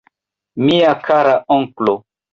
Mia kara onklo!